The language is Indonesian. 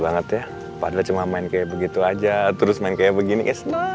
namanya juga anak anak